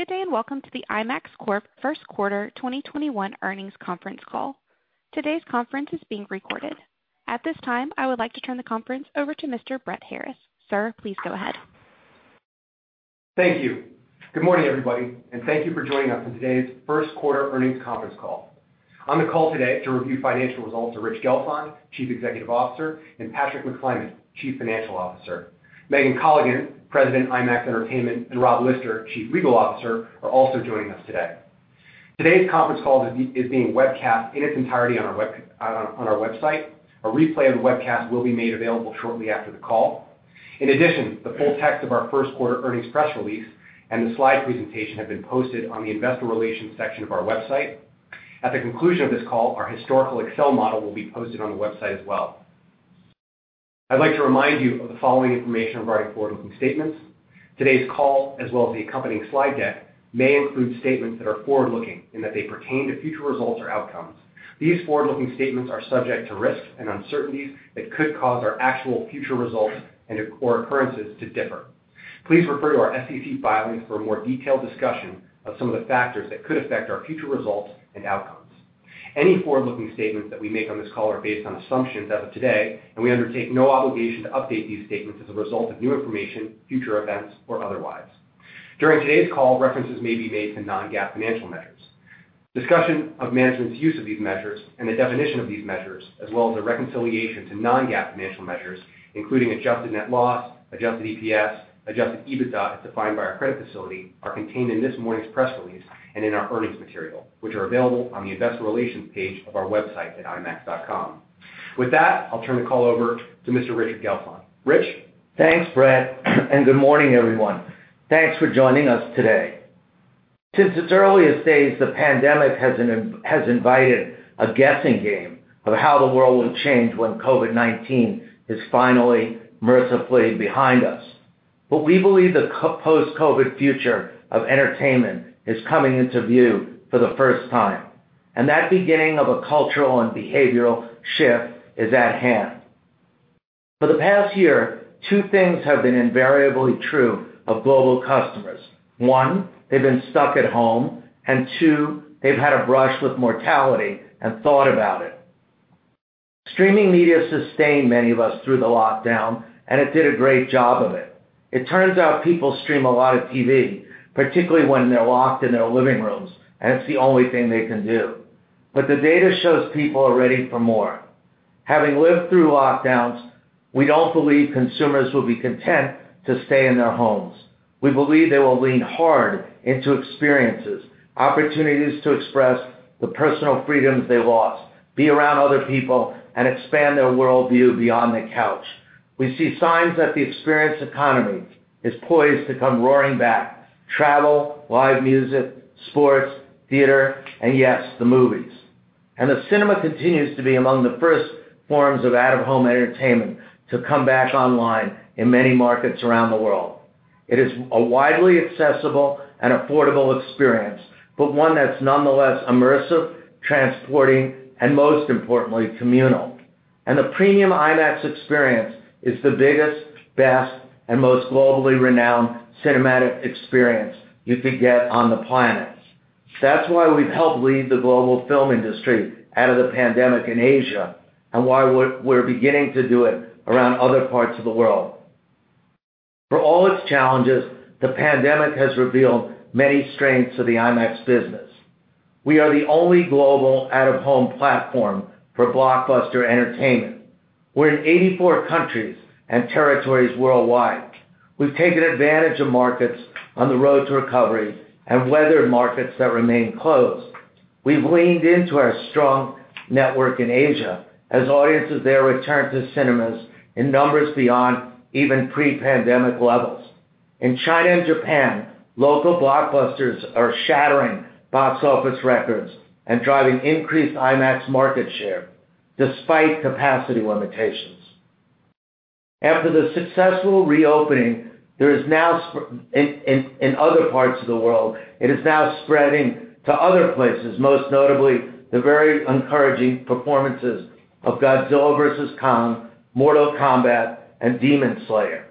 Good day and welcome to the IMAX Corp First Quarter 2021 Earnings Conference Call. Today's conference is being recorded. At this time, I would like to turn the conference over to Mr. Brett Harris. Sir, please go ahead. Thank you. Good morning, everybody, and thank you for joining us for today's First Quarter Earnings Conference Call. Joining me on the call today to review the financial results are Rich Gelfond, Chief Executive Officer, and Patrick McClymont, Chief Financial Officer. Megan Colligan, President of IMAX Entertainment, and Rob Lister, Chief Legal Officer, are also joining us today. Today's conference call is being webcast in its entirety on our website. A replay of the webcast will be made available shortly after the call. In addition, the full text of our First Quarter Earnings press release and the slide presentation have been posted on the Investor Relations section of our website. At the conclusion of this call, our historical Excel model will be posted on the website as well. I'd like to remind you of the following information regarding forward-looking statements. Today's call, as well as the accompanying slide deck, may include statements that are forward-looking in that they pertain to future results or outcomes. These forward-looking statements are subject to risks and uncertainties that could cause our actual future results or occurrences to differ. Please refer to our SEC filings for a more detailed discussion of some of the factors that could affect our future results and outcomes. Any forward-looking statements that we make on this call are based on assumptions as of today, and we undertake no obligation to update these statements as a result of new information, future events, or otherwise. During today's call, references may be made to non-GAAP financial measures. Discussion of management's use of these measures and the definition of these measures, as well as a reconciliation to non-GAAP financial measures, including adjusted net loss, adjusted EPS, adjusted EBITDA as defined by our credit facility, are contained in this morning's press release and in our earnings material, which are available on the Investor Relations page of our website at imax.com. With that, I'll turn the call over to Mr. Richard Gelfond. Rich. Thanks, Brett, and good morning, everyone. Thanks for joining us today. Since its earliest days, the pandemic has invited a guessing game of how the world will change when COVID-19 is finally mercifully behind us. But we believe the post-COVID future of entertainment is coming into view for the first time, and that beginning of a cultural and behavioral shift is at hand. For the past year, two things have been invariably true of global customers. One, they've been stuck at home, and two, they've had a brush with mortality and thought about it. Streaming media sustained many of us through the lockdown, and it did a great job of it. It turns out people stream a lot of TV, particularly when they're locked in their living rooms, and it's the only thing they can do. But the data shows people are ready for more. Having lived through lockdowns, we don't believe consumers will be content to stay in their homes. We believe they will lean hard into experiences, opportunities to express the personal freedoms they lost, be around other people, and expand their worldview beyond the couch. We see signs that the experience economy is poised to come roaring back: travel, live music, sports, theater, and yes, the movies. And the cinema continues to be among the first forms of out-of-home entertainment to come back online in many markets around the world. It is a widely accessible and affordable experience, but one that's nonetheless immersive, transporting, and most importantly, communal. And the premium IMAX experience is the biggest, best, and most globally renowned cinematic experience you could get on the planet. That's why we've helped lead the global film industry out of the pandemic in Asia and why we're beginning to do it around other parts of the world. For all its challenges, the pandemic has revealed many strengths of the IMAX business. We are the only global out-of-home platform for blockbuster entertainment. We're in 84 countries and territories worldwide. We've taken advantage of markets on the road to recovery and weathered markets that remain closed. We've leaned into our strong network in Asia as audiences there return to cinemas in numbers beyond even pre-pandemic levels. In China and Japan, local blockbusters are shattering box office records and driving increased IMAX market share despite capacity limitations. After the successful reopening, there is now, in other parts of the world, it is now spreading to other places, most notably the very encouraging performances of Godzilla vs. Kong, Mortal Kombat, and Demon Slayer.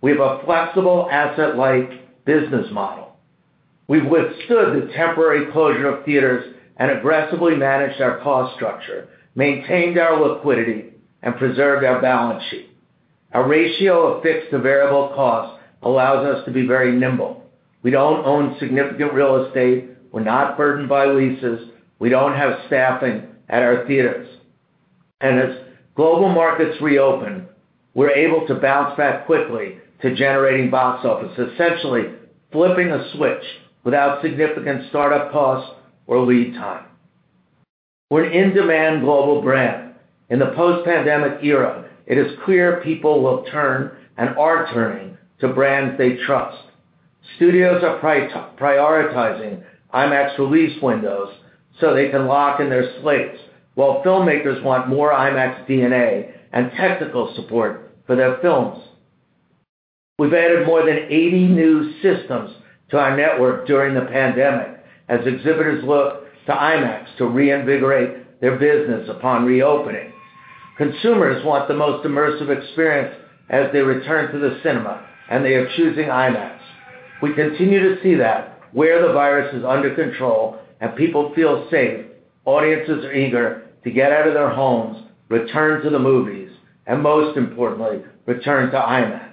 We have a flexible asset-like business model. We've withstood the temporary closure of theaters and aggressively managed our cost structure, maintained our liquidity, and preserved our balance sheet. Our ratio of fixed to variable costs allows us to be very nimble. We don't own significant real estate. We're not burdened by leases. We don't have staffing at our theaters, and as global markets reopen, we're able to bounce back quickly to generating box office, essentially flipping a switch without significant startup costs or lead time. We're an in-demand global brand. In the post-pandemic era, it is clear people will turn and are turning to brands they trust. Studios are prioritizing IMAX release windows so they can lock in their slates, while filmmakers want more IMAX DNA and technical support for their films. We've added more than 80 new systems to our network during the pandemic as exhibitors look to IMAX to reinvigorate their business upon reopening. Consumers want the most immersive experience as they return to the cinema, and they are choosing IMAX. We continue to see that. Where the virus is under control and people feel safe, audiences are eager to get out of their homes, return to the movies, and most importantly, return to IMAX,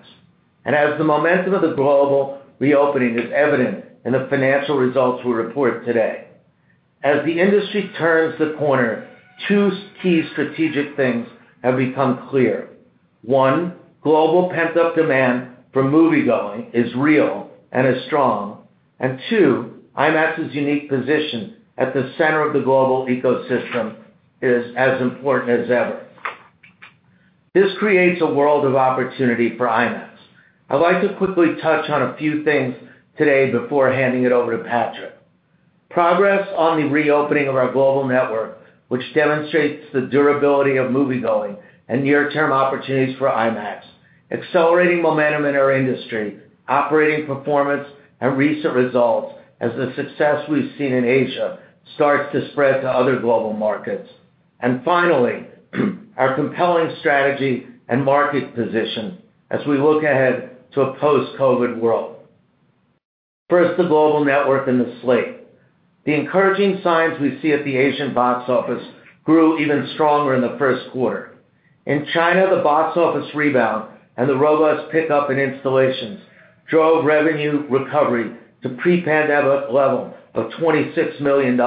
and as the momentum of the global reopening is evident in the financial results we report today. As the industry turns the corner, two key strategic things have become clear. One, global pent-up demand for moviegoing is real and is strong, and two, IMAX's unique position at the center of the global ecosystem is as important as ever. This creates a world of opportunity for IMAX. I'd like to quickly touch on a few things today before handing it over to Patrick. Progress on the reopening of our global network, which demonstrates the durability of moviegoing and near-term opportunities for IMAX, accelerating momentum in our industry, operating performance, and recent results as the success we've seen in Asia starts to spread to other global markets, and finally, our compelling strategy and market position as we look ahead to a post-COVID world. First, the global network and the slate. The encouraging signs we see at the Asian box office grew even stronger in the first quarter. In China, the box office rebound and the robust pickup in installations drove revenue recovery to pre-pandemic levels of $26 million,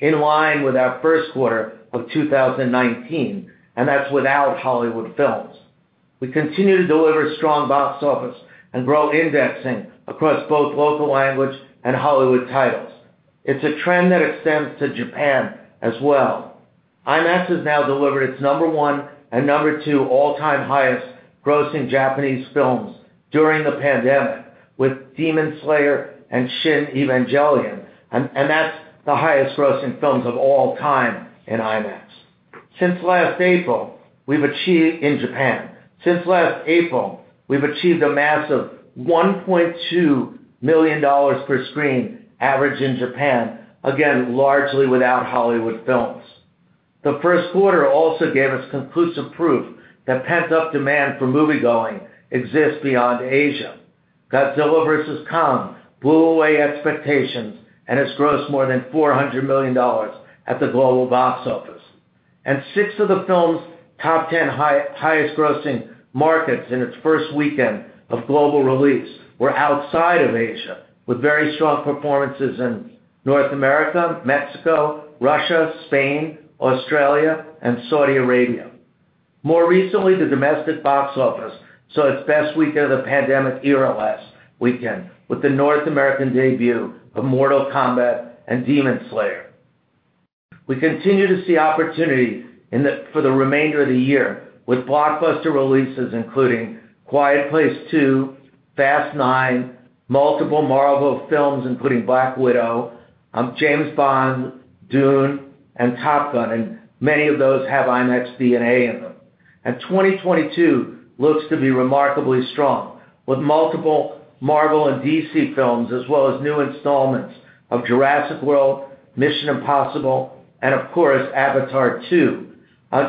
in line with our first quarter of 2019, and that's without Hollywood films. We continue to deliver strong box office and grow indexing across both local language and Hollywood titles. It's a trend that extends to Japan as well. IMAX has now delivered its number one and number two all-time highest grossing Japanese films during the pandemic with Demon Slayer and Shin Evangelion, and that's the highest grossing films of all time in IMAX. Since last April, we've achieved a massive $1.2 million per screen average in Japan, again, largely without Hollywood films. The first quarter also gave us conclusive proof that pent-up demand for moviegoing exists beyond Asia. Godzilla vs. Kong blew away expectations and has grossed more than $400 million at the global box office, and six of the film's top 10 highest grossing markets in its first weekend of global release were outside of Asia with very strong performances in North America, Mexico, Russia, Spain, Australia, and Saudi Arabia. More recently, the domestic box office saw its best week of the pandemic era last weekend with the North American debut of Mortal Kombat and Demon Slayer. We continue to see opportunity for the remainder of the year with blockbuster releases including Quiet Place 2, Fast 9, multiple Marvel films including Black Widow, James Bond, Dune, and Top Gun, and many of those have IMAX DNA in them, and 2022 looks to be remarkably strong with multiple Marvel and DC films as well as new installments of Jurassic World, Mission: Impossible, and of course, Avatar 2.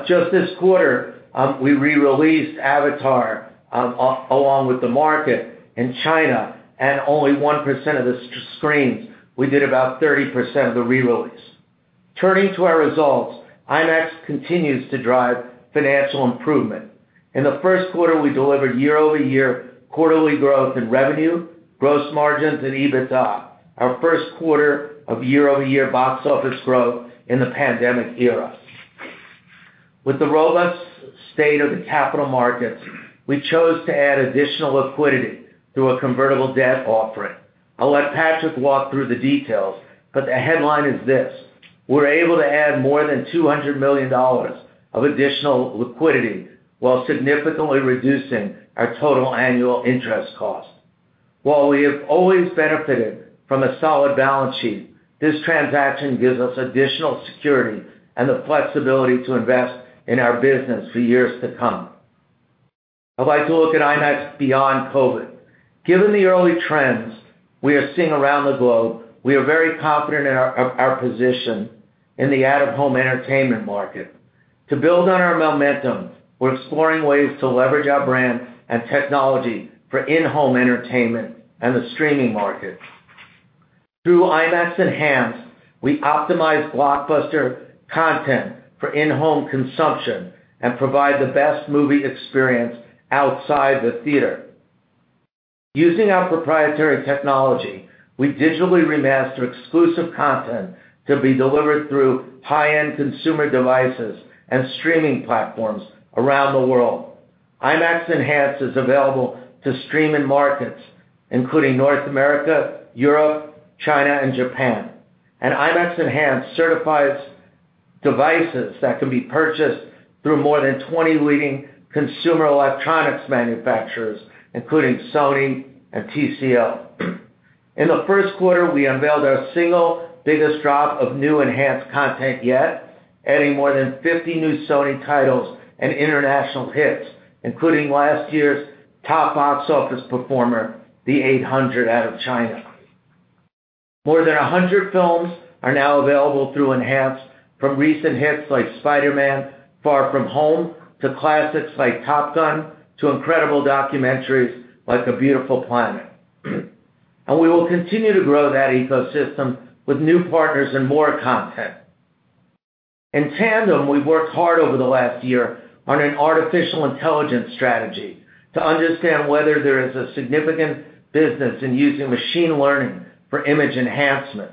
Just this quarter, we re-released Avatar along with the market in China, and only 1% of the screens. We did about 30% of the re-release. Turning to our results, IMAX continues to drive financial improvement. In the first quarter, we delivered year-over-year quarterly growth in revenue, gross margins, and EBITDA, our first quarter of year-over-year box office growth in the pandemic era. With the robust state of the capital markets, we chose to add additional liquidity through a convertible debt offering. I'll let Patrick walk through the details, but the headline is this: We're able to add more than $200 million of additional liquidity while significantly reducing our total annual interest cost. While we have always benefited from a solid balance sheet, this transaction gives us additional security and the flexibility to invest in our business for years to come. I'd like to look at IMAX beyond COVID. Given the early trends we are seeing around the globe, we are very confident in our position in the out-of-home entertainment market. To build on our momentum, we're exploring ways to leverage our brand and technology for in-home entertainment and the streaming market. Through IMAX Enhanced, we optimize blockbuster content for in-home consumption and provide the best movie experience outside the theater. Using our proprietary technology, we digitally remaster exclusive content to be delivered through high-end consumer devices and streaming platforms around the world. IMAX Enhanced is available to stream in markets including North America, Europe, China, and Japan, and IMAX Enhanced certifies devices that can be purchased through more than 20 leading consumer electronics manufacturers, including Sony and TCL. In the first quarter, we unveiled our single biggest drop of new enhanced content yet, adding more than 50 new Sony titles and international hits, including last year's top box office performer, The Eight Hundred, out of China. More than 100 films are now available through Enhanced from recent hits like Spider-Man: Far From Home to classics like Top Gun to incredible documentaries like A Beautiful Planet, and we will continue to grow that ecosystem with new partners and more content. In tandem, we've worked hard over the last year on an artificial intelligence strategy to understand whether there is a significant business in using machine learning for image enhancement.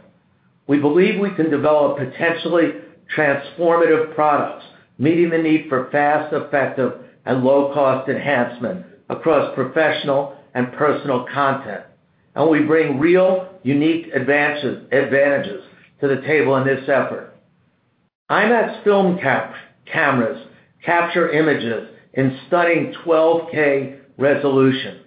We believe we can develop potentially transformative products meeting the need for fast, effective, and low-cost enhancement across professional and personal content, and we bring real, unique advantages to the table in this effort. IMAX film cameras capture images in stunning 12K resolution.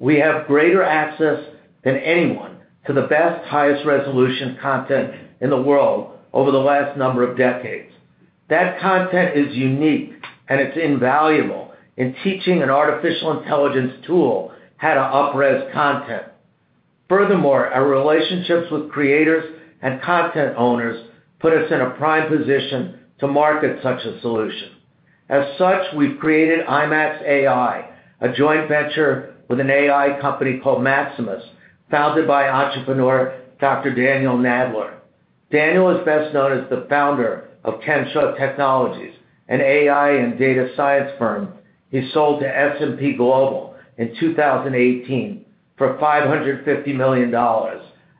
We have greater access than anyone to the best, highest resolution content in the world over the last number of decades. That content is unique, and it's invaluable in teaching an artificial intelligence tool how to up-rez content. Furthermore, our relationships with creators and content owners put us in a prime position to market such a solution. As such, we've created IMAX AI, a joint venture with an AI company called Maximus, founded by entrepreneur Dr. Daniel Nadler. Daniel is best known as the founder of Kensho Technologies, an AI and data science firm he sold to S&P Global in 2018 for $550 million,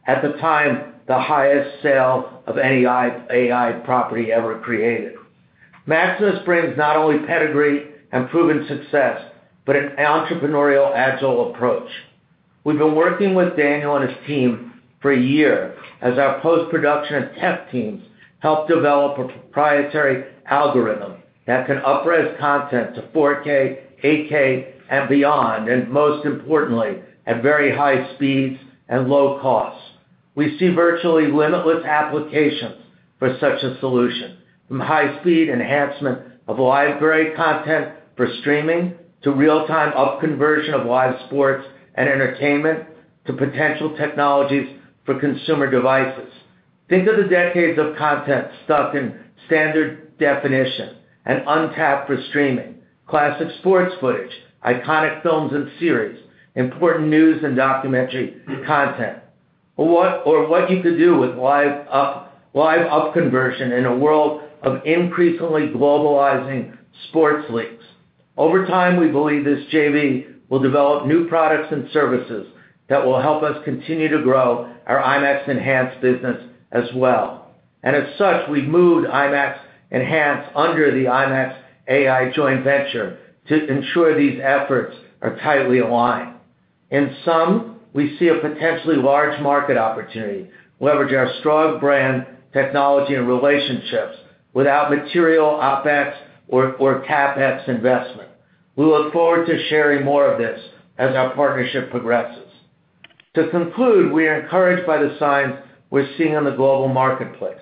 at the time the highest sale of any AI property ever created. Maximus brings not only pedigree and proven success but an entrepreneurial, agile approach. We've been working with Daniel and his team for a year as our post-production and tech teams help develop a proprietary algorithm that can up-rez content to 4K, 8K, and beyond, and most importantly, at very high speeds and low costs. We see virtually limitless applications for such a solution, from high-speed enhancement of library content for streaming to real-time up-conversion of live sports and entertainment to potential technologies for consumer devices. Think of the decades of content stuck in standard definition and untapped for streaming: classic sports footage, iconic films and series, important news and documentary content, or what you could do with live up-conversion in a world of increasingly globalizing sports leagues. Over time, we believe this JV will develop new products and services that will help us continue to grow our IMAX Enhanced business as well. And as such, we've moved IMAX Enhanced under the IMAX AI joint venture to ensure these efforts are tightly aligned. In sum, we see a potentially large market opportunity leveraging our strong brand, technology, and relationships without material OpEx or CapEx investment. We look forward to sharing more of this as our partnership progresses. To conclude, we are encouraged by the signs we're seeing in the global marketplace.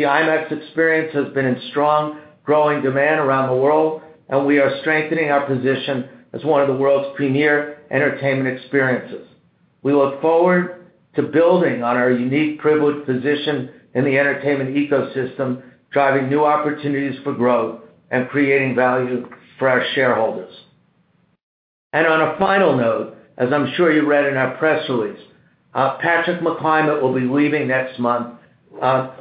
The IMAX experience has been in strong, growing demand around the world, and we are strengthening our position as one of the world's premier entertainment experiences. We look forward to building on our unique, privileged position in the entertainment ecosystem, driving new opportunities for growth and creating value for our shareholders. On a final note, as I'm sure you read in our press release, Patrick McClymont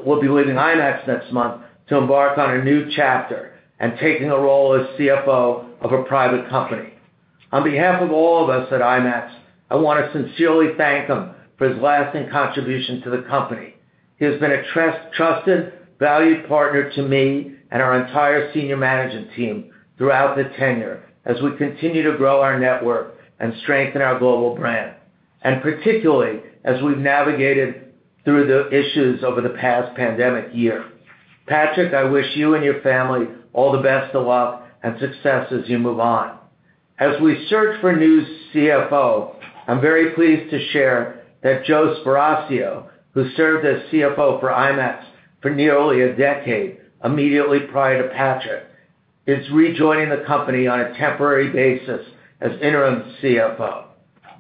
will be leaving IMAX next month to embark on a new chapter and taking a role as CFO of a private company. On behalf of all of us at IMAX, I want to sincerely thank him for his lasting contribution to the company. He has been a trusted, valued partner to me and our entire senior management team throughout the tenure as we continue to grow our network and strengthen our global brand, and particularly as we've navigated through the issues over the past pandemic year. Patrick, I wish you and your family all the best of luck and success as you move on. As we search for new CFO, I'm very pleased to share that Joe Sparacio, who served as CFO for IMAX for nearly a decade immediately prior to Patrick, is rejoining the company on a temporary basis as interim CFO.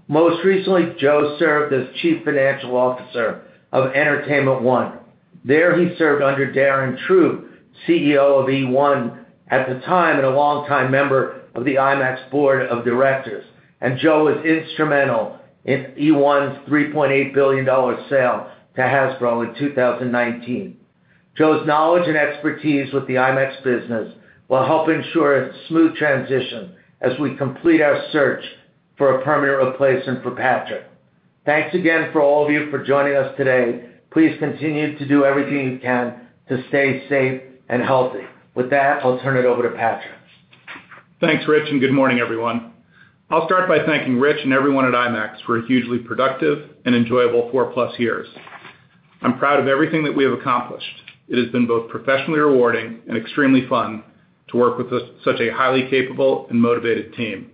Most recently, Joe served as Chief Financial Officer of Entertainment One. There he served under Darren Throop, CEO of eOne at the time and a longtime member of the IMAX board of directors, and Joe was instrumental in eOne's $3.8 billion sale to Hasbro in 2019. Joe's knowledge and expertise with the IMAX business will help ensure a smooth transition as we complete our search for a permanent replacement for Patrick. Thanks again for all of you for joining us today. Please continue to do everything you can to stay safe and healthy. With that, I'll turn it over to Patrick. Thanks, Rich, and good morning, everyone. I'll start by thanking Rich and everyone at IMAX for a hugely productive and enjoyable four-plus years. I'm proud of everything that we have accomplished. It has been both professionally rewarding and extremely fun to work with such a highly capable and motivated team.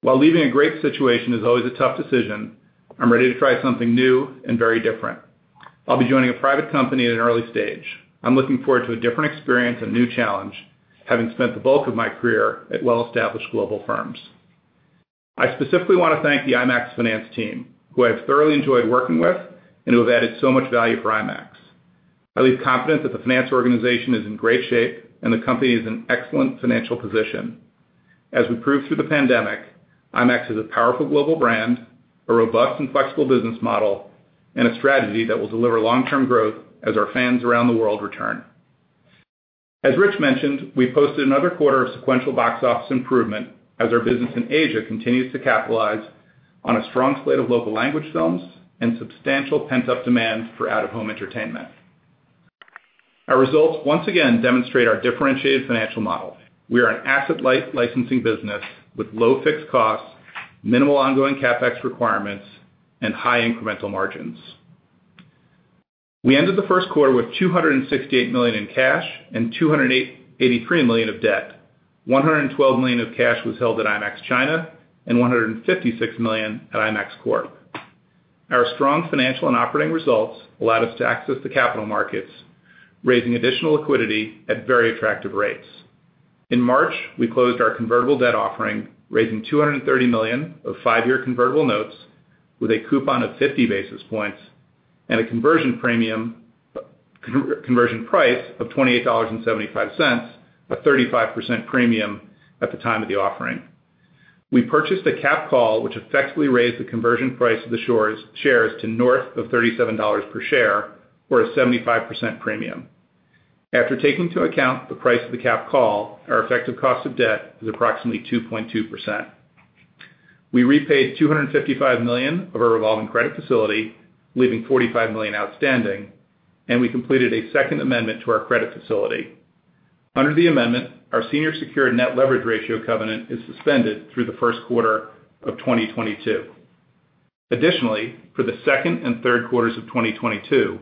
While leaving a great situation is always a tough decision, I'm ready to try something new and very different. I'll be joining a private company at an early stage. I'm looking forward to a different experience and new challenge, having spent the bulk of my career at well-established global firms. I specifically want to thank the IMAX Finance team, who I've thoroughly enjoyed working with and who have added so much value for IMAX. I leave confident that the finance organization is in great shape and the company is in excellent financial position. As we proved through the pandemic, IMAX is a powerful global brand, a robust and flexible business model, and a strategy that will deliver long-term growth as our fans around the world return. As Rich mentioned, we posted another quarter of sequential box office improvement as our business in Asia continues to capitalize on a strong slate of local language films and substantial pent-up demand for out-of-home entertainment. Our results once again demonstrate our differentiated financial model. We are an asset-light licensing business with low fixed costs, minimal ongoing CapEx requirements, and high incremental margins. We ended the first quarter with $268 million in cash and $283 million of debt. $112 million of cash was held at IMAX China and $156 million at IMAX Corp. Our strong financial and operating results allowed us to access the capital markets, raising additional liquidity at very attractive rates. In March, we closed our convertible debt offering, raising $230 million of five-year convertible notes with a coupon of 50 basis points and a conversion price of $28.75, a 35% premium at the time of the offering. We purchased a capped call, which effectively raised the conversion price of the shares to north of $37 per share or a 75% premium. After taking into account the price of the capped call, our effective cost of debt is approximately 2.2%. We repaid $255 million of our revolving credit facility, leaving $45 million outstanding, and we completed a second amendment to our credit facility. Under the amendment, our senior secured net leverage ratio covenant is suspended through the first quarter of 2022. Additionally, for the second and third quarters of 2022,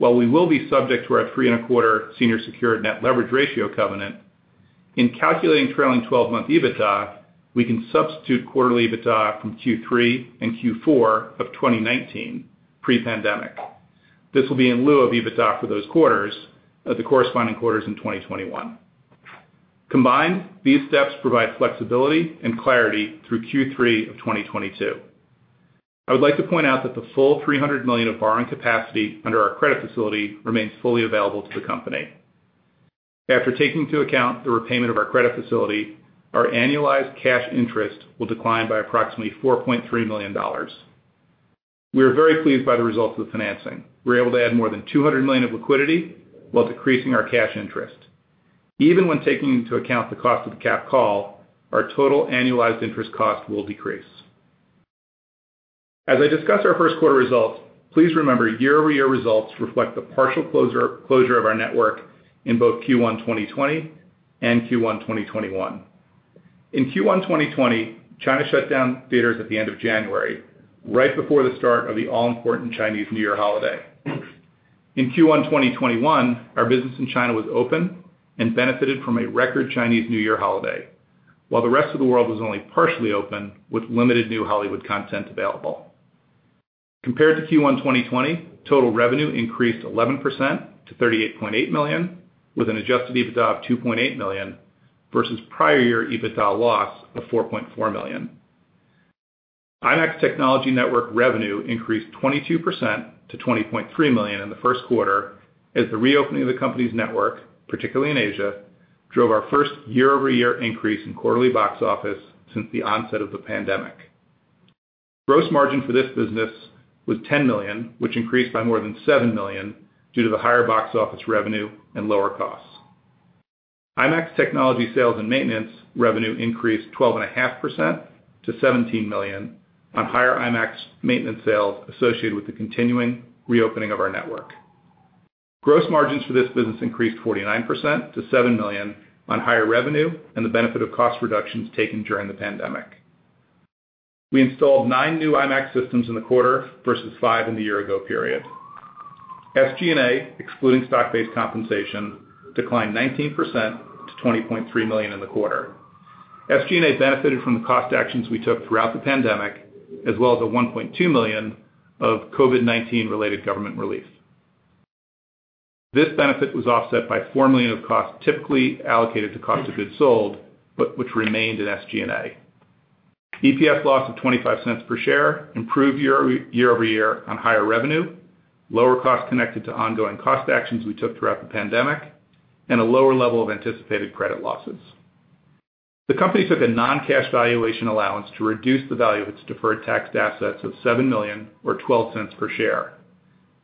while we will be subject to our three-and-a-quarter senior secured net leverage ratio covenant, in calculating trailing 12-month EBITDA, we can substitute quarterly EBITDA from Q3 and Q4 of 2019 pre-pandemic. This will be in lieu of EBITDA for those quarters of the corresponding quarters in 2021. Combined, these steps provide flexibility and clarity through Q3 of 2022. I would like to point out that the full $300 million of borrowing capacity under our credit facility remains fully available to the company. After taking into account the repayment of our credit facility, our annualized cash interest will decline by approximately $4.3 million. We are very pleased by the results of the financing. We were able to add more than $200 million of liquidity while decreasing our cash interest. Even when taking into account the cost of the capped call, our total annualized interest cost will decrease. As I discuss our first quarter results, please remember year-over-year results reflect the partial closure of our network in both Q1 2020 and Q1 2021. In Q1 2020, China shut down theaters at the end of January, right before the start of the all-important Chinese New Year holiday. In Q1 2021, our business in China was open and benefited from a record Chinese New Year holiday, while the rest of the world was only partially open with limited new Hollywood content available. Compared to Q1 2020, total revenue increased 11% to $38.8 million, with an Adjusted EBITDA of $2.8 million versus prior year EBITDA loss of $4.4 million. IMAX Technology Network revenue increased 22% to $20.3 million in the first quarter as the reopening of the company's network, particularly in Asia, drove our first year-over-year increase in quarterly box office since the onset of the pandemic. Gross margin for this business was $10 million, which increased by more than $7 million due to the higher box office revenue and lower costs. IMAX Technology sales and maintenance revenue increased 12.5% to $17 million on higher IMAX maintenance sales associated with the continuing reopening of our network. Gross margins for this business increased 49% to $7 million on higher revenue and the benefit of cost reductions taken during the pandemic. We installed nine new IMAX systems in the quarter versus five in the year-ago period. SG&A, excluding stock-based compensation, declined 19% to $20.3 million in the quarter. SG&A benefited from the cost actions we took throughout the pandemic, as well as $1.2 million of COVID-19-related government relief. This benefit was offset by $4 million of cost typically allocated to cost of goods sold, but which remained in SG&A. EPS loss of $0.25 per share improved year-over-year on higher revenue, lower costs connected to ongoing cost actions we took throughout the pandemic, and a lower level of anticipated credit losses. The company took a non-cash valuation allowance to reduce the value of its deferred tax assets of $7 million or $0.12 per share.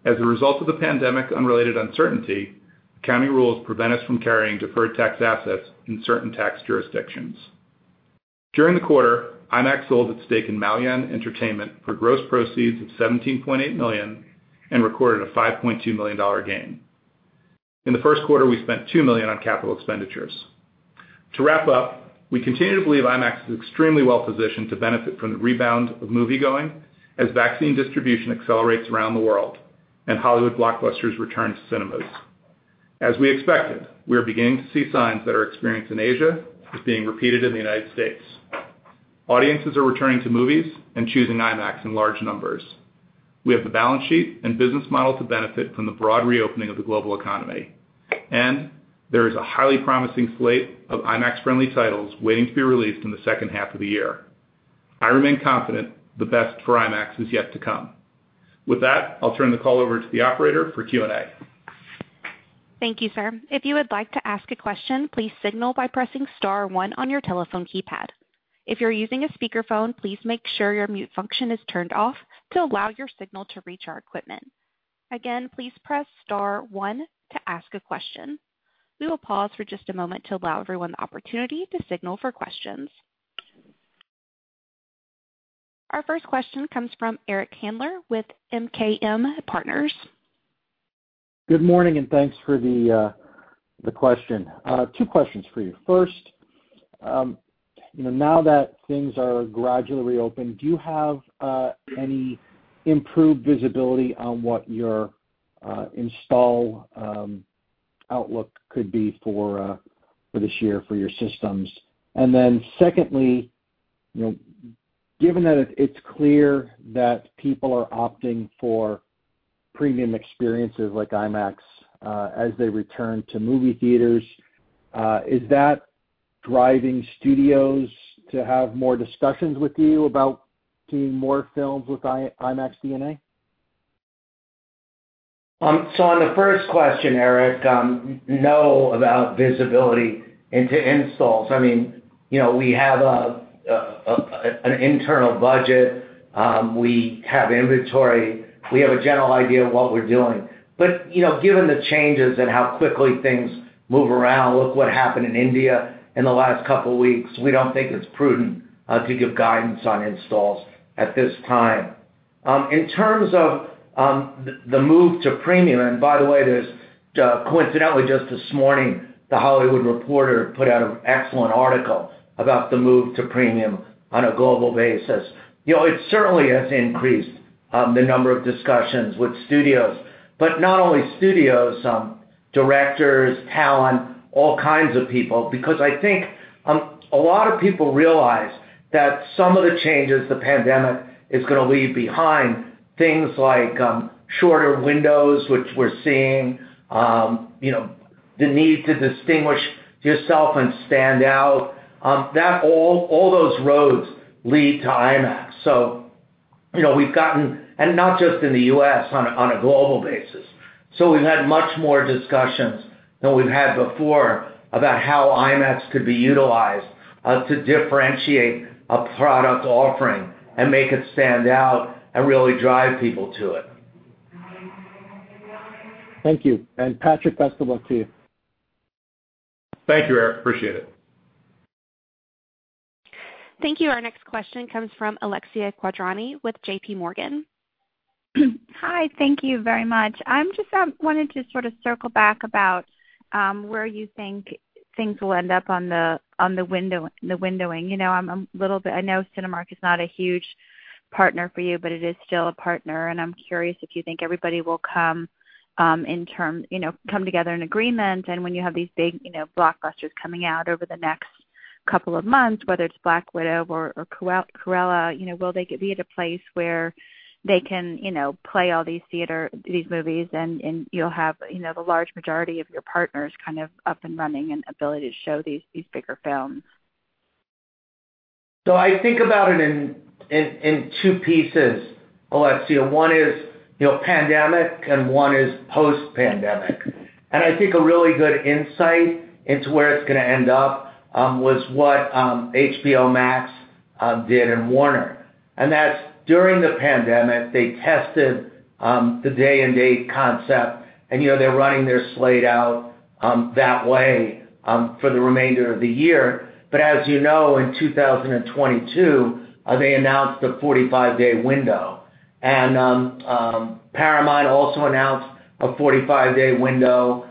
As a result of the pandemic-unrelated uncertainty, accounting rules prevent us from carrying deferred tax assets in certain tax jurisdictions. During the quarter, IMAX sold its stake in Maoyan Entertainment for gross proceeds of $17.8 million and recorded a $5.2 million gain. In the first quarter, we spent $2 million on capital expenditures. To wrap up, we continue to believe IMAX is extremely well-positioned to benefit from the rebound of moviegoing as vaccine distribution accelerates around the world and Hollywood blockbusters return to cinemas. As we expected, we are beginning to see signs that our experience in Asia is being repeated in the United States. Audiences are returning to movies and choosing IMAX in large numbers. We have the balance sheet and business model to benefit from the broad reopening of the global economy, and there is a highly promising slate of IMAX-friendly titles waiting to be released in the second half of the year. I remain confident the best for IMAX is yet to come. With that, I'll turn the call over to the operator for Q&A. Thank you, sir. If you would like to ask a question, please signal by pressing Star 1 on your telephone keypad. If you're using a speakerphone, please make sure your mute function is turned off to allow your signal to reach our equipment. Again, please press Star 1 to ask a question. We will pause for just a moment to allow everyone the opportunity to signal for questions. Our first question comes from Eric Handler with MKM Partners. Good morning, and thanks for the question. Two questions for you. First, now that things are gradually reopened, do you have any improved visibility on what your install outlook could be for this year for your systems? And then secondly, given that it's clear that people are opting for premium experiences like IMAX as they return to movie theaters, is that driving studios to have more discussions with you about seeing more films with IMAX DNA? So, on the first question, Eric, no, about visibility into installs. I mean, we have an internal budget. We have inventory. We have a general idea of what we're doing. But given the changes and how quickly things move around, look what happened in India in the last couple of weeks, we don't think it's prudent to give guidance on installs at this time. In terms of the move to premium, and by the way, coincidentally, just this morning, The Hollywood Reporter put out an excellent article about the move to premium on a global basis. It certainly has increased the number of discussions with studios, but not only studios, directors, talent, all kinds of people, because I think a lot of people realize that some of the changes the pandemic is going to leave behind, things like shorter windows, which we're seeing, the need to distinguish yourself and stand out, that all those roads lead to IMAX. So we've gotten, and not just in the U.S., on a global basis. So we've had much more discussions than we've had before about how IMAX could be utilized to differentiate a product offering and make it stand out and really drive people to it. Thank you, and Patrick, best of luck to you. Thank you, Eric. Appreciate it. Thank you. Our next question comes from Alexia Quadrani with JPMorgan. Hi. Thank you very much. I just wanted to sort of circle back about where you think things will end up on the windowing. I'm a little bit, I know Cinemark is not a huge partner for you, but it is still a partner, and I'm curious if you think everybody will come together in agreement, and when you have these big blockbusters coming out over the next couple of months, whether it's Black Widow or Cruella, will they be at a place where they can play all these movies and you'll have the large majority of your partners kind of up and running and ability to show these bigger films? I think about it in two pieces, Alexia. One is pandemic and one is post-pandemic. And I think a really good insight into where it's going to end up was what HBO Max did in Warner. And that's during the pandemic, they tested the day-and-date concept, and they're running their slate out that way for the remainder of the year. But as you know, in 2022, they announced a 45-day window. And Paramount also announced a 45-day window.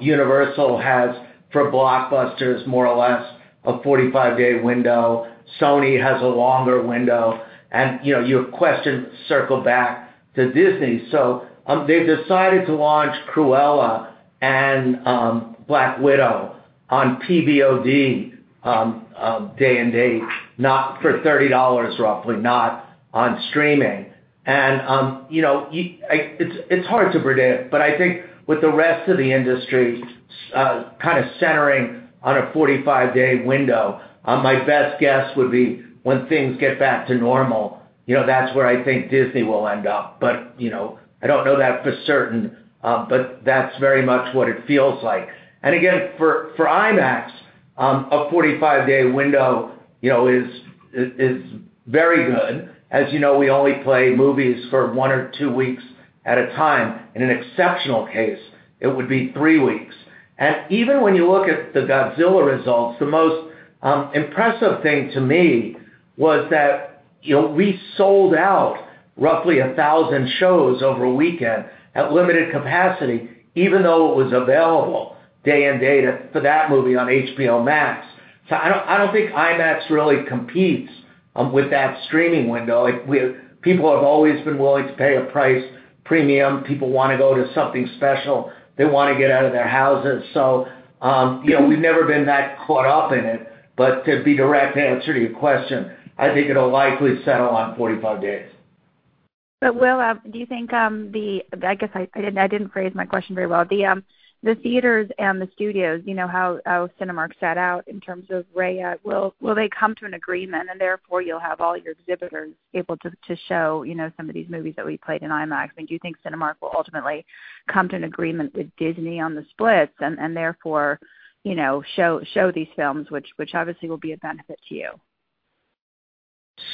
Universal has, for blockbusters, more or less a 45-day window. Sony has a longer window. And your question circled back to Disney. So they've decided to launch Cruella and Black Widow on PVOD day-and-date, not for $30, roughly, not on streaming. It's hard to predict, but I think with the rest of the industry kind of centering on a 45-day window, my best guess would be when things get back to normal, that's where I think Disney will end up. But I don't know that for certain, but that's very much what it feels like. And again, for IMAX, a 45-day window is very good. As you know, we only play movies for one or two weeks at a time. In an exceptional case, it would be three weeks. And even when you look at the Godzilla results, the most impressive thing to me was that we sold out roughly 1,000 shows over a weekend at limited capacity, even though it was available day-and-date for that movie on HBO Max. So I don't think IMAX really competes with that streaming window. People have always been willing to pay a price premium. People want to go to something special. They want to get out of their houses. So we've never been that caught up in it. But to be a direct answer to your question, I think it'll likely settle on 45 days. But Will, do you think the, I guess I didn't phrase my question very well. The theaters and the studios, how Cinemark set out in terms of Raya, will they come to an agreement, and therefore you'll have all your exhibitors able to show some of these movies that we played in IMAX? I mean, do you think Cinemark will ultimately come to an agreement with Disney on the splits and therefore show these films, which obviously will be a benefit to you?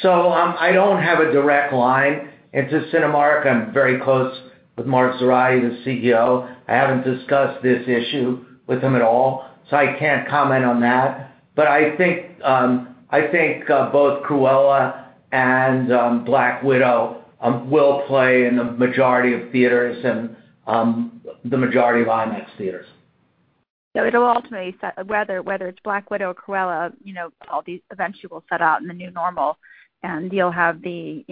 So I don't have a direct line into Cinemark. I'm very close with Mark Zoradi, the CEO. I haven't discussed this issue with him at all, so I can't comment on that. But I think both Cruella and Black Widow will play in the majority of theaters and the majority of IMAX theaters. So it'll ultimately, whether it's Black Widow or Cruella, all these eventually will set out in the new normal, and you'll have the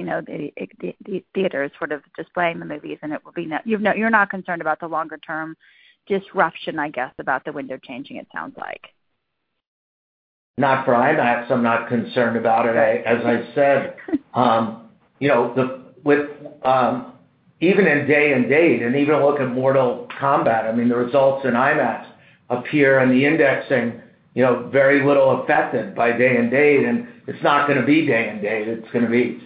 theaters sort of displaying the movies, and it will be, you're not concerned about the longer-term disruption, I guess, about the window changing, it sounds like. Not for IMAX. I'm not concerned about it. As I said, even in day-and-date, and even look at Mortal Kombat, I mean, the results in IMAX appear in the indexing very little affected by day-and-date, and it's not going to be day-and-date. It's going to be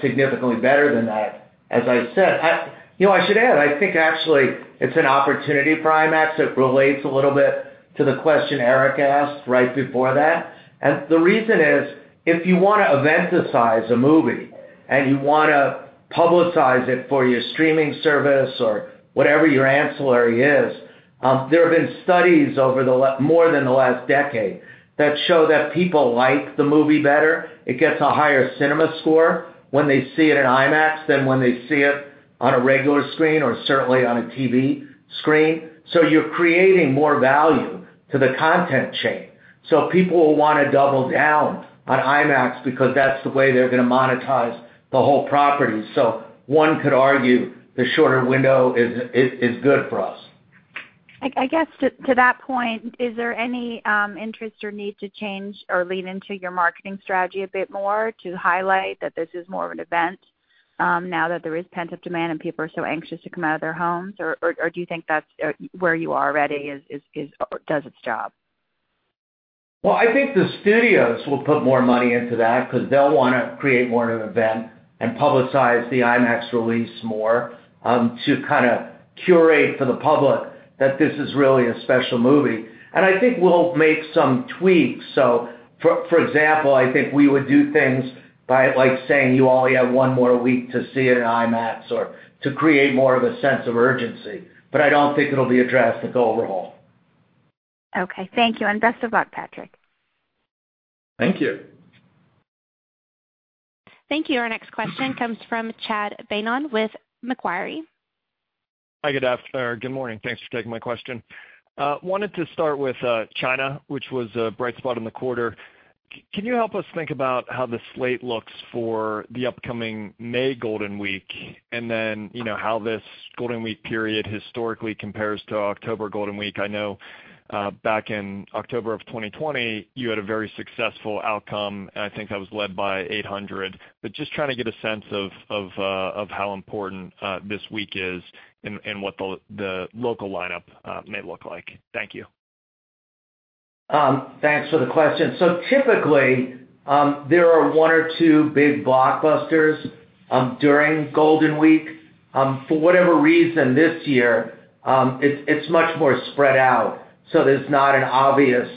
significantly better than that. As I said, I should add, I think actually it's an opportunity for IMAX. It relates a little bit to the question Eric asked right before that. And the reason is, if you want to eventicize a movie and you want to publicize it for your streaming service or whatever your ancillary is, there have been studies over more than the last decade that show that people like the movie better. It gets a higher CinemaScore when they see it in IMAX than when they see it on a regular screen or certainly on a TV screen. So you're creating more value to the content chain. So people will want to double down on IMAX because that's the way they're going to monetize the whole property. So one could argue the shorter window is good for us. I guess to that point, is there any interest or need to change or lean into your marketing strategy a bit more to highlight that this is more of an event now that there is pent-up demand and people are so anxious to come out of their homes? Or do you think that's where you are already, does its job? I think the studios will put more money into that because they'll want to create more of an event and publicize the IMAX release more to kind of curate for the public that this is really a special movie. And I think we'll make some tweaks. For example, I think we would do things by saying, "You only have one more week to see it in IMAX," or to create more of a sense of urgency. I don't think it'll be a drastic overhaul. Okay. Thank you. And best of luck, Patrick. Thank you. Thank you. Our next question comes from Chad Beynon with Macquarie. Hi, good afternoon. Good morning. Thanks for taking my question. Wanted to start with China, which was a bright spot in the quarter. Can you help us think about how the slate looks for the upcoming May Golden Week and then how this Golden Week period historically compares to October Golden Week? I know back in October of 2020, you had a very successful outcome, and I think that was led by 800. But just trying to get a sense of how important this week is and what the local lineup may look like. Thank you. Thanks for the question. Typically, there are one or two big blockbusters during Golden Week. For whatever reason, this year, it's much more spread out, so there's not an obvious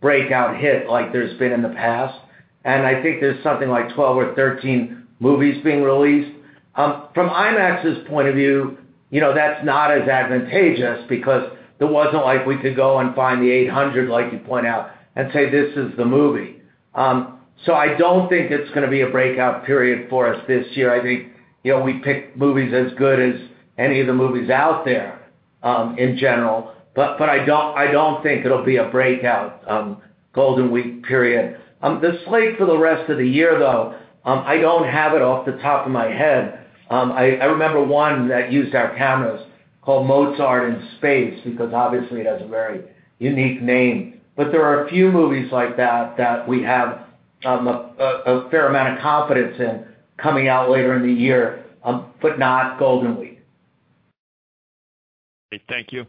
breakout hit like there's been in the past. And I think there's something like 12 or 13 movies being released. From IMAX's point of view, that's not as advantageous because there wasn't like we could go and find the 800, like you point out, and say, "This is the movie." So I don't think it's going to be a breakout period for us this year. I think we pick movies as good as any of the movies out there in general. But I don't think it'll be a breakout Golden Week period. The slate for the rest of the year, though, I don't have it off the top of my head. I remember one that used our cameras called Mozart from Space because obviously it has a very unique name. But there are a few movies like that that we have a fair amount of confidence in coming out later in the year, but not Golden Week. Thank you.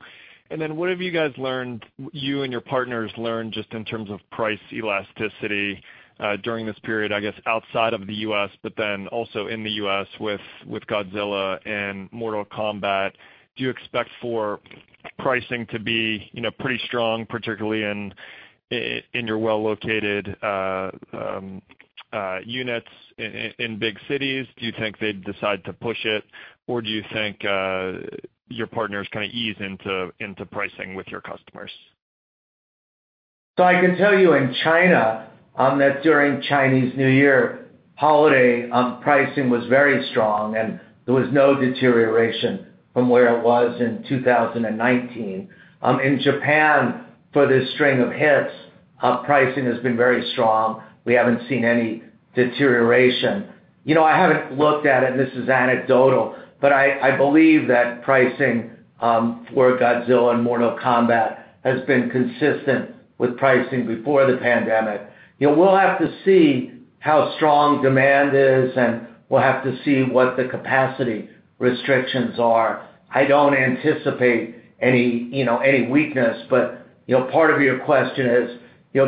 And then what have you guys learned, you and your partners learned just in terms of price elasticity during this period, I guess, outside of the U.S., but then also in the U.S. with Godzilla and Mortal Kombat? Do you expect for pricing to be pretty strong, particularly in your well-located units in big cities? Do you think they'd decide to push it, or do you think your partners kind of ease into pricing with your customers? So I can tell you in China that during Chinese New Year holiday, pricing was very strong, and there was no deterioration from where it was in 2019. In Japan, for this string of hits, pricing has been very strong. We haven't seen any deterioration. I haven't looked at it, and this is anecdotal, but I believe that pricing for Godzilla and Mortal Kombat has been consistent with pricing before the pandemic. We'll have to see how strong demand is, and we'll have to see what the capacity restrictions are. I don't anticipate any weakness, but part of your question is,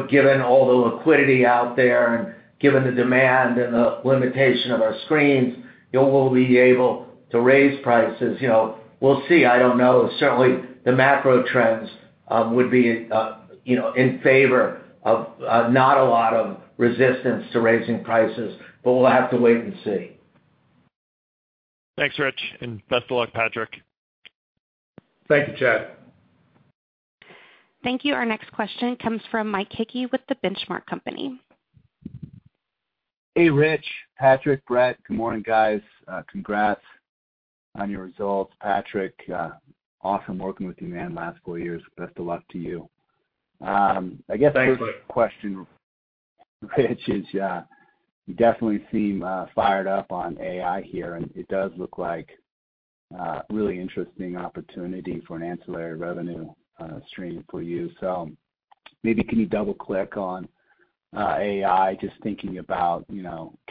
given all the liquidity out there and given the demand and the limitation of our screens, will we be able to raise prices? We'll see. I don't know. Certainly, the macro trends would be in favor of not a lot of resistance to raising prices, but we'll have to wait and see. Thanks, Rich. And best of luck, Patrick. Thank you, Chad. Thank you. Our next question comes from Mike Hickey with The Benchmark Company. Hey, Rich. Patrick, Brett, good morning, guys. Congrats on your results. Patrick, awesome working with you, man, the last four years. Best of luck to you. I guess question, Rich, is you definitely seem fired up on AI here, and it does look like a really interesting opportunity for an ancillary revenue stream for you. So maybe can you double-click on AI, just thinking about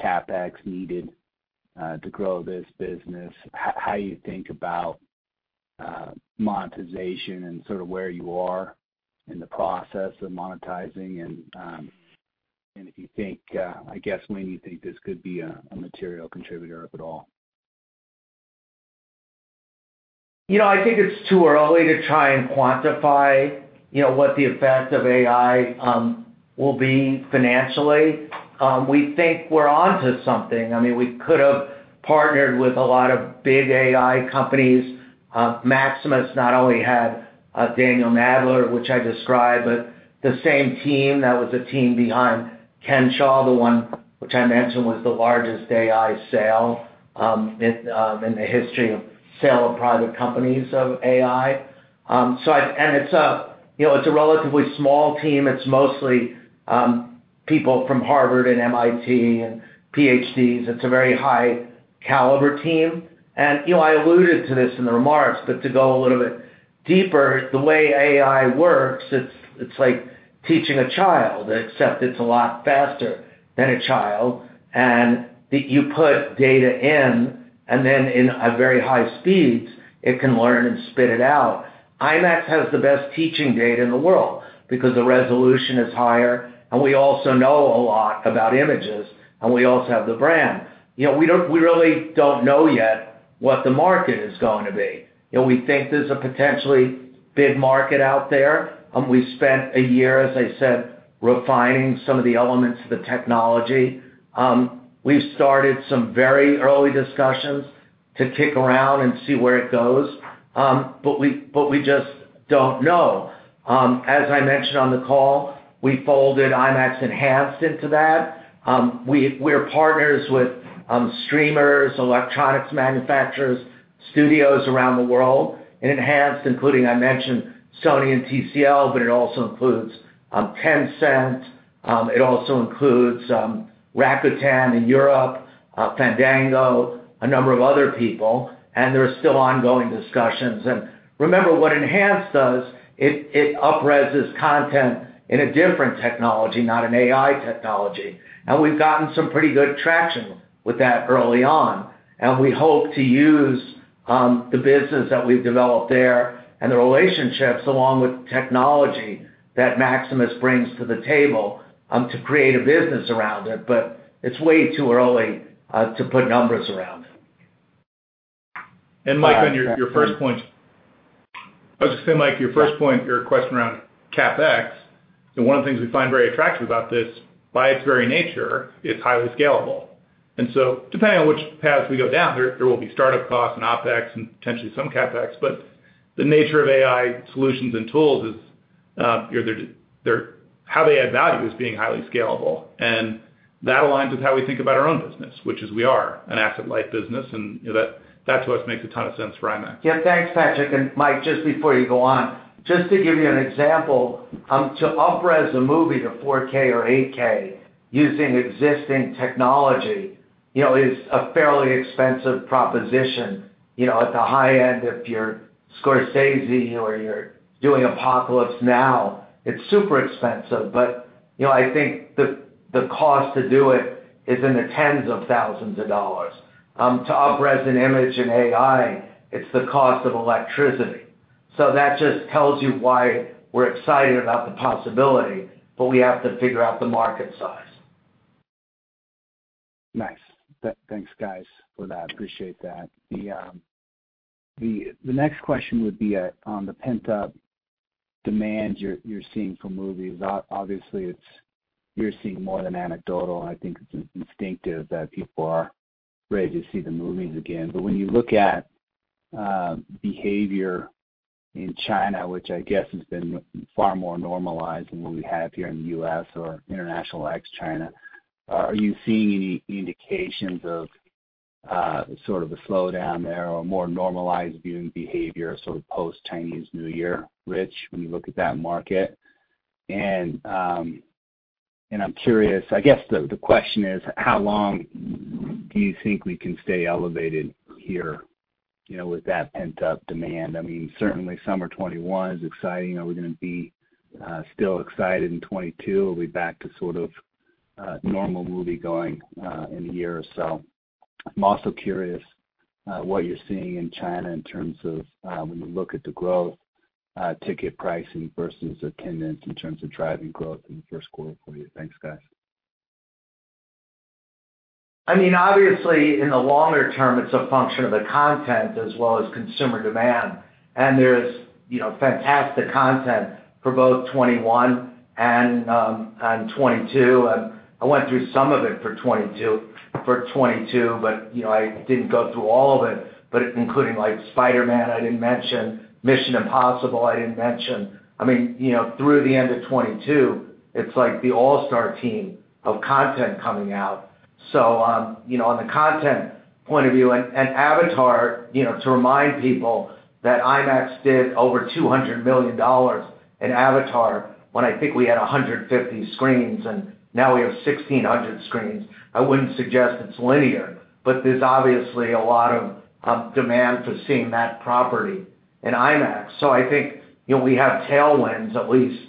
CapEx needed to grow this business? How do you think about monetization and sort of where you are in the process of monetizing? And if you think, I guess, when you think this could be a material contributor, if at all? I think it's too early to try and quantify what the effect of AI will be financially. We think we're onto something. I mean, we could have partnered with a lot of big AI companies. Maximus not only had Daniel Nadler, which I described, but the same team that was a team behind Kensho, the one which I mentioned was the largest AI sale in the history of sale of private companies of AI. And it's a relatively small team. It's mostly people from Harvard and MIT and PhDs. It's a very high-caliber team. And I alluded to this in the remarks, but to go a little bit deeper, the way AI works, it's like teaching a child, except it's a lot faster than a child. And you put data in, and then in very high speeds, it can learn and spit it out. IMAX has the best teaching data in the world because the resolution is higher, and we also know a lot about images, and we also have the brand. We really don't know yet what the market is going to be. We think there's a potentially big market out there. We spent a year, as I said, refining some of the elements of the technology. We've started some very early discussions to kick around and see where it goes, but we just don't know. As I mentioned on the call, we folded IMAX Enhanced into that. We're partners with streamers, electronics manufacturers, studios around the world. Enhanced, including I mentioned Sony and TCL, but it also includes Tencent. It also includes Rakuten in Europe, Fandango, a number of other people. There are still ongoing discussions. Remember, what Enhanced does, it up-reses content in a different technology, not an AI technology. We've gotten some pretty good traction with that early on. We hope to use the business that we've developed there and the relationships along with technology that Maximus brings to the table to create a business around it. It's way too early to put numbers around it. And Mike, on your first point, I was just going to say, Mike, your first point, your question around CapEx, one of the things we find very attractive about this, by its very nature, is highly scalable. And so depending on which path we go down, there will be startup costs and OpEx and potentially some CapEx. But the nature of AI solutions and tools is how they add value is being highly scalable. And that aligns with how we think about our own business, which is we are an asset-light business, and that to us makes a ton of sense for IMAX. Yeah. Thanks, Patrick. And Mike, just before you go on, just to give you an example, to up-res a movie to 4K or 8K using existing technology is a fairly expensive proposition. At the high end, if you're Scorsese or you're doing Apocalypse Now, it's super expensive. But I think the cost to do it is in the tens of thousands of dollars. To up-res an image in AI, it's the cost of electricity. So that just tells you why we're excited about the possibility, but we have to figure out the market size. Nice. Thanks, guys, for that. Appreciate that. The next question would be on the pent-up demand you're seeing for movies. Obviously, you're seeing more than anecdotal. I think it's instinctive that people are ready to see the movies again. But when you look at behavior in China, which I guess has been far more normalized than what we have here in the U.S. or international ex-China, are you seeing any indications of sort of a slowdown there or more normalized viewing behavior sort of post-Chinese New Year, Rich, when you look at that market? And I'm curious, I guess the question is, how long do you think we can stay elevated here with that pent-up demand? I mean, certainly, summer 2021 is exciting. Are we going to be still excited in 2022? Are we back to sort of normal movie-going in a year or so? I'm also curious what you're seeing in China in terms of when you look at the growth, ticket pricing versus attendance in terms of driving growth in the first quarter for you? Thanks, guys. I mean, obviously, in the longer term, it's a function of the content as well as consumer demand, and there's fantastic content for both 2021 and 2022. I went through some of it for 2022, but I didn't go through all of it, but including Spider-Man, I didn't mention. Mission: Impossible, I didn't mention. I mean, through the end of 2022, it's like the All-Star team of content coming out. So on the content point of view, and Avatar, to remind people that IMAX did over $200 million in Avatar when I think we had 150 screens, and now we have 1,600 screens. I wouldn't suggest it's linear, but there's obviously a lot of demand for seeing that property in IMAX. So I think we have tailwinds at least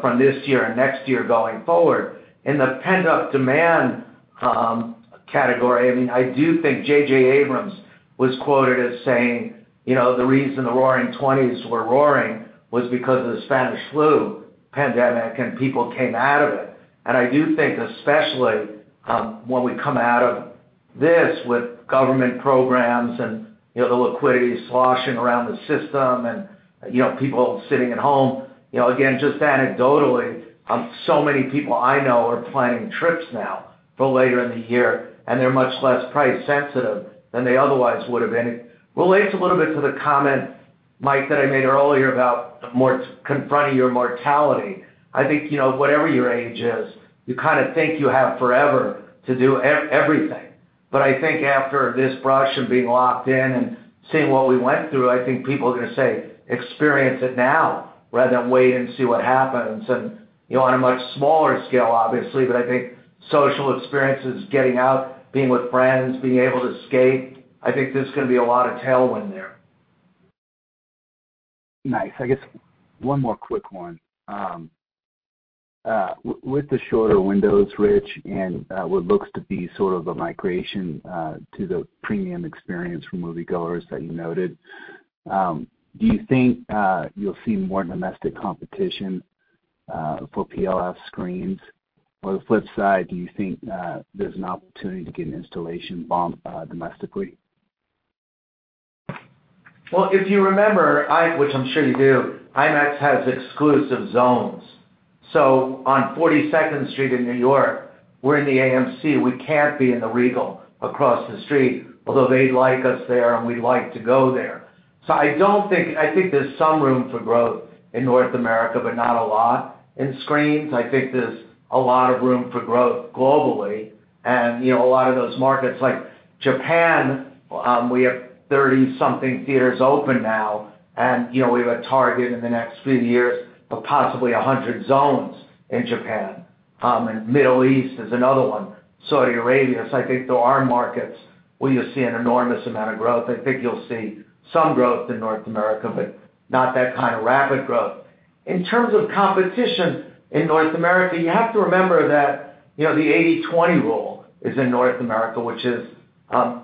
from this year and next year going forward. In the pent-up demand category, I mean, I do think J.J. Abrams was quoted as saying, "The reason the roaring '20s were roaring was because of the Spanish flu pandemic, and people came out of it, and I do think, especially when we come out of this with government programs and the liquidity sloshing around the system and people sitting at home, again, just anecdotally, so many people I know are planning trips now for later in the year, and they're much less price-sensitive than they otherwise would have been. It relates a little bit to the comment, Mike, that I made earlier about confronting your mortality. I think whatever your age is, you kind of think you have forever to do everything. But I think after this rush and being locked in and seeing what we went through, I think people are going to say, "Experience it now rather than wait and see what happens." And on a much smaller scale, obviously, but I think social experiences, getting out, being with friends, being able to skate, I think there's going to be a lot of tailwind there. Nice. I guess one more quick one. With the shorter windows, Rich, and what looks to be sort of a migration to the premium experience for moviegoers that you noted, do you think you'll see more domestic competition for PLF screens? On the flip side, do you think there's an opportunity to get an installation boom domestically? If you remember, which I'm sure you do, IMAX has exclusive zones. On 42nd Street in New York, we're in the AMC. We can't be in the Regal across the street, although they'd like us there, and we'd like to go there. I think there's some room for growth in North America, but not a lot in screens. I think there's a lot of room for growth globally. A lot of those markets, like Japan, we have 30-something theaters open now, and we have a target in the next few years of possibly 100 zones in Japan. The Middle East is another one, Saudi Arabia. I think there are markets where you'll see an enormous amount of growth. I think you'll see some growth in North America, but not that kind of rapid growth. In terms of competition in North America, you have to remember that the 80/20 rule is in North America, which is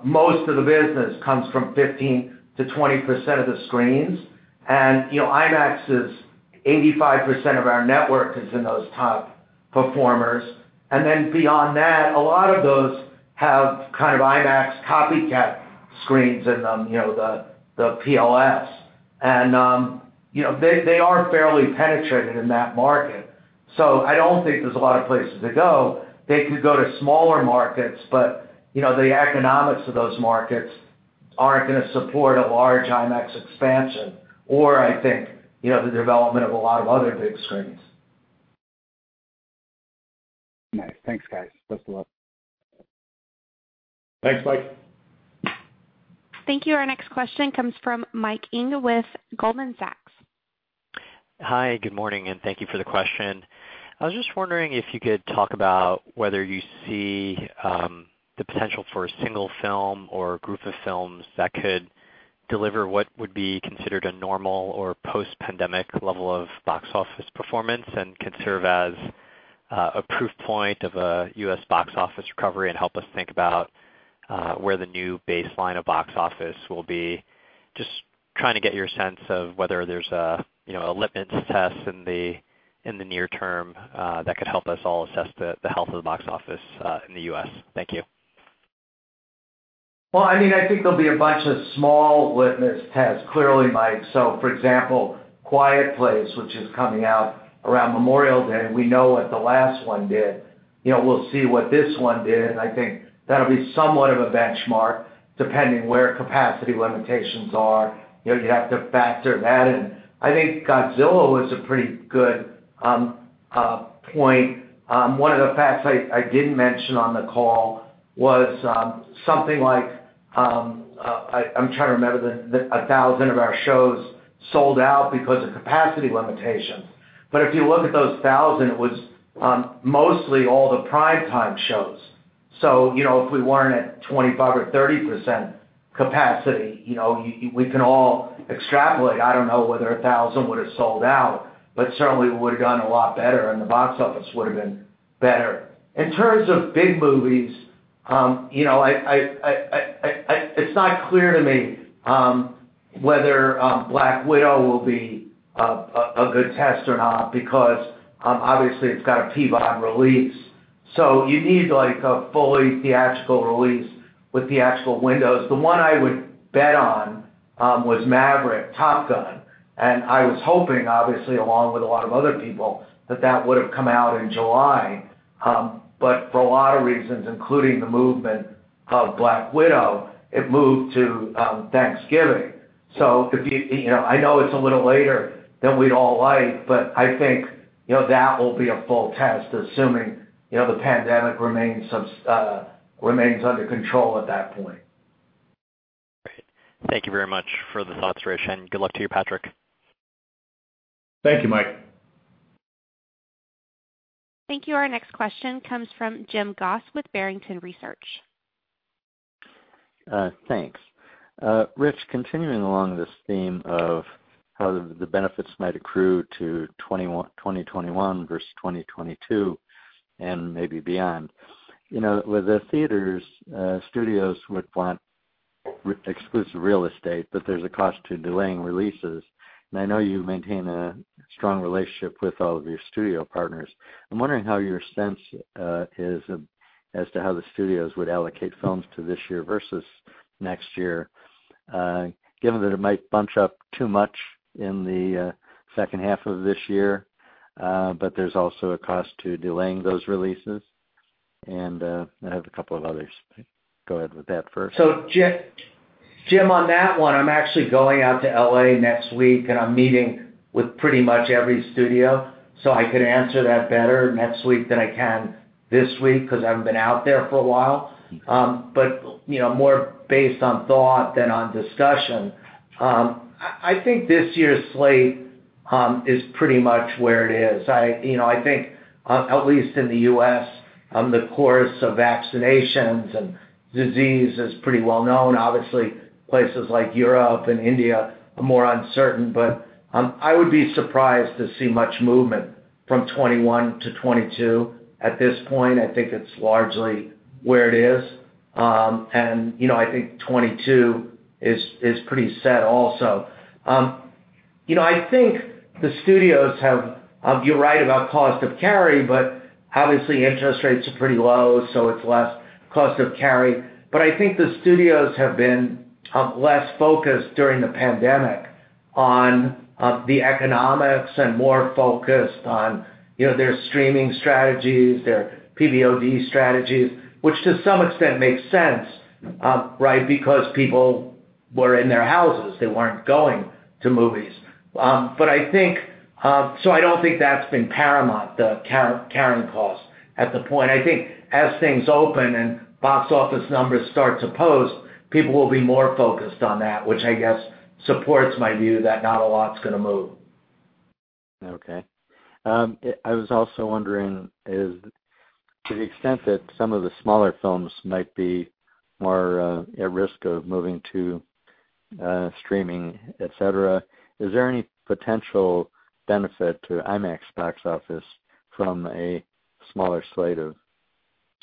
most of the business comes from 15%-20% of the screens. And IMAX is 85% of our network is in those top performers. And then beyond that, a lot of those have kind of IMAX copycat screens in them, the PLFs. And they are fairly penetrated in that market. So I don't think there's a lot of places to go. They could go to smaller markets, but the economics of those markets aren't going to support a large IMAX expansion or, I think, the development of a lot of other big screens. Nice. Thanks, guys. Best of luck. Thanks, Mike. Thank you. Our next question comes from Mike Ng with Goldman Sachs. Hi, good morning, and thank you for the question. I was just wondering if you could talk about whether you see the potential for a single film or a group of films that could deliver what would be considered a normal or post-pandemic level of box office performance and can serve as a proof point of a U.S. box office recovery and help us think about where the new baseline of box office will be. Just trying to get your sense of whether there's a litmus test in the near term that could help us all assess the health of the box office in the U.S. Thank you. Well, I mean, I think there'll be a bunch of small litmus tests, clearly, Mike. So for example, Quiet Place, which is coming out around Memorial Day, we know what the last one did. We'll see what this one did. And I think that'll be somewhat of a benchmark depending where capacity limitations are. You have to factor that in. I think Godzilla was a pretty good point. One of the facts I didn't mention on the call was something like I'm trying to remember, 1,000 of our shows sold out because of capacity limitations. But if you look at those 1,000, it was mostly all the primetime shows. So if we weren't at 25% or 30% capacity, we can all extrapolate. I don't know whether 1,000 would have sold out, but certainly we would have done a lot better, and the box office would have been better. In terms of big movies, it's not clear to me whether Black Widow will be a good test or not because obviously it's got a PVOD release, so you need a fully theatrical release with theatrical windows. The one I would bet on was Maverick, Top Gun, and I was hoping, obviously, along with a lot of other people, that that would have come out in July, but for a lot of reasons, including the movement of Black Widow, it moved to Thanksgiving, so I know it's a little later than we'd all like, but I think that will be a full test, assuming the pandemic remains under control at that point. Great. Thank you very much for the thoughts, Rich, and good luck to you, Patrick. Thank you, Mike. Thank you. Our next question comes from Jim Goss with Barrington Research. Thanks. Rich, continuing along this theme of how the benefits might accrue to 2021 versus 2022 and maybe beyond, the theaters, studios would want exclusive real estate, but there's a cost to delaying releases, and I know you maintain a strong relationship with all of your studio partners. I'm wondering how your sense is as to how the studios would allocate films to this year versus next year, given that it might bunch up too much in the second half of this year, but there's also a cost to delaying those releases, and I have a couple of others. Go ahead with that first. So Jim, on that one, I'm actually going out to LA next week, and I'm meeting with pretty much every studio. So I could answer that better next week than I can this week because I've been out there for a while. But more based on thought than on discussion, I think this year's slate is pretty much where it is. I think, at least in the U.S., the course of vaccinations and disease is pretty well known. Obviously, places like Europe and India are more uncertain. But I would be surprised to see much movement from 2021 to 2022 at this point. I think it's largely where it is. And I think 2022 is pretty set also. I think the studios have—you're right about cost of carry, but obviously interest rates are pretty low, so it's less cost of carry. But I think the studios have been less focused during the pandemic on the economics and more focused on their streaming strategies, their PVOD strategies, which to some extent makes sense, right, because people were in their houses. They weren't going to movies. But I think, so I don't think that's been paramount, the carrying cost at the point. I think as things open and box office numbers start to post, people will be more focused on that, which I guess supports my view that not a lot's going to move. Okay. I was also wondering, to the extent that some of the smaller films might be more at risk of moving to streaming, etc., is there any potential benefit to IMAX box office from a smaller slate of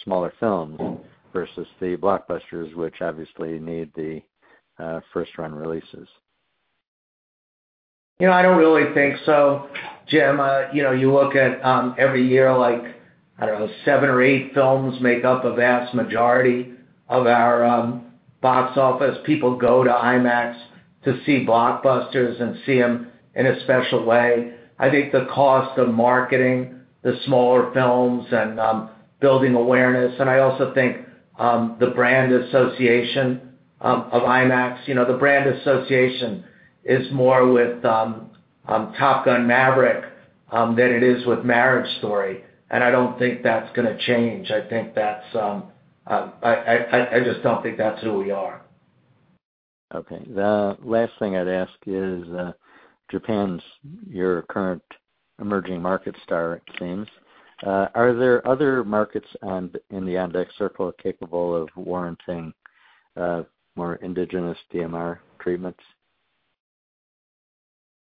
smaller films versus the blockbusters, which obviously need the first-run releases? I don't really think so, Jim. You look at every year, I don't know, seven or eight films make up a vast majority of our box office. People go to IMAX to see blockbusters and see them in a special way. I think the cost of marketing the smaller films and building awareness, and I also think the brand association of IMAX, the brand association is more with Top Gun: Maverick than it is with Marriage Story, and I don't think that's going to change. I think that's, I just don't think that's who we are. Okay. The last thing I'd ask is Japan is your current emerging market star, it seems. Are there other markets in the IMAX circuit capable of warranting more indigenous DMR treatments?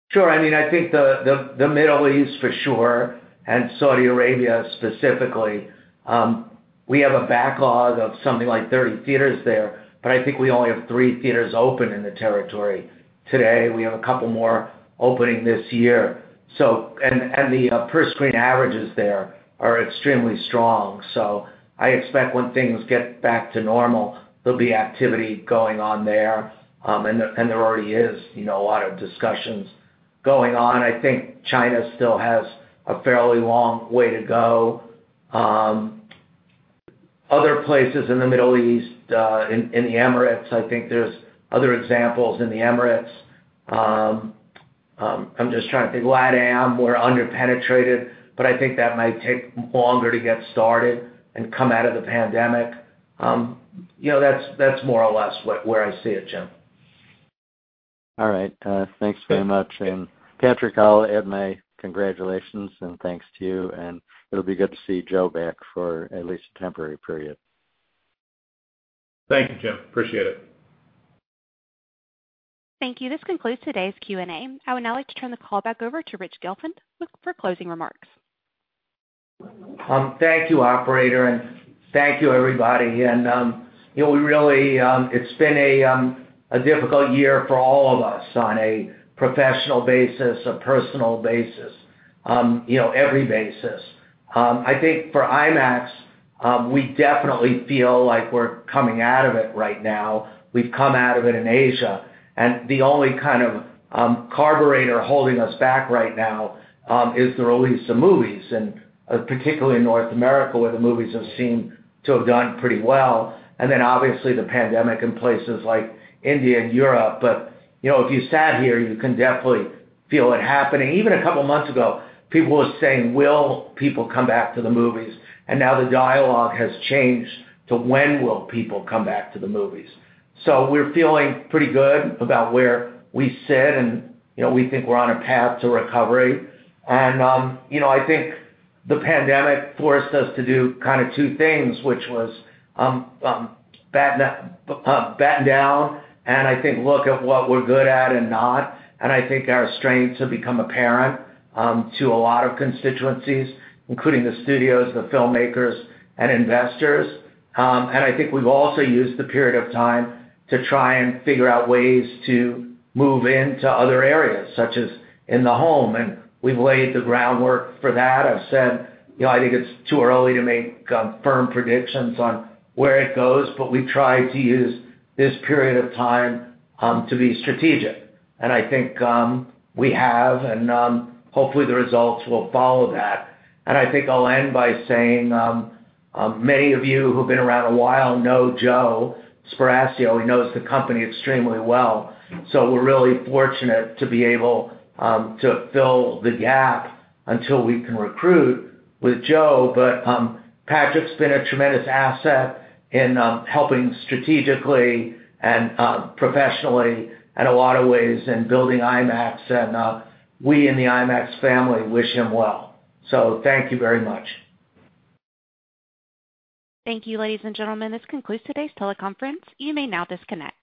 Sure. I mean, I think the Middle East for sure and Saudi Arabia specifically. We have a backlog of something like 30 theaters there, but I think we only have three theaters open in the territory today. We have a couple more opening this year, and the per-screen averages there are extremely strong, so I expect when things get back to normal, there'll be activity going on there, and there already is a lot of discussions going on. I think China still has a fairly long way to go. Other places in the Middle East, in the Emirates, I think there's other examples in the Emirates. I'm just trying to think. LatAm, we're underpenetrated, but I think that might take longer to get started and come out of the pandemic. That's more or less where I see it, Jim. All right. Thanks very much. And Patrick, I'll add my congratulations and thanks to you. And it'll be good to see Joe back for at least a temporary period. Thank you, Jim. Appreciate it. Thank you. This concludes today's Q&A. I would now like to turn the call back over to Rich Gelfond for closing remarks. Thank you, operator, and thank you, everybody, and it's been a difficult year for all of us on a professional basis, a personal basis, every basis. I think for IMAX, we definitely feel like we're coming out of it right now. We've come out of it in Asia. And the only kind of caveat holding us back right now is the release of movies and particularly in North America, where the movies have seemed to have done pretty well, and then obviously the pandemic in places like India and Europe, but if you sat here, you can definitely feel it happening. Even a couple of months ago, people were saying, "Will people come back to the movies?" and now the dialogue has changed to, "When will people come back to the movies?" so we're feeling pretty good about where we sit, and we think we're on a path to recovery. I think the pandemic forced us to do kind of two things, which was batten down and, I think, look at what we're good at and not. I think our strengths have become apparent to a lot of constituencies, including the studios, the filmmakers, and investors. I think we've also used the period of time to try and figure out ways to move into other areas, such as in the home. And we've laid the groundwork for that. I've said I think it's too early to make firm predictions on where it goes, but we've tried to use this period of time to be strategic. I think we have, and hopefully the results will follow that. I think I'll end by saying many of you who've been around a while know Joe Sparacio. He knows the company extremely well. So we're really fortunate to be able to fill the gap until we can recruit with Joe. But Patrick's been a tremendous asset in helping strategically and professionally in a lot of ways in building IMAX. And we in the IMAX family wish him well. So thank you very much. Thank you, ladies and gentlemen. This concludes today's teleconference. You may now disconnect.